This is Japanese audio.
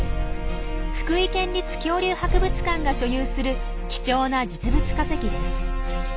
福井県立恐竜博物館が所有する貴重な実物化石です。